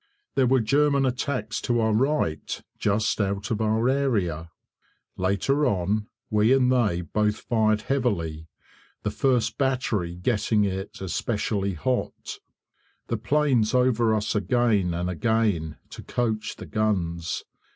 There were German attacks to our right, just out of our area. Later on we and they both fired heavily, the first battery getting it especially hot. The planes over us again and again, to coach the guns.